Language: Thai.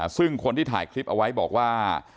ซึ่งคนที่ถ่ายคลิปเอาไว้บอกว่า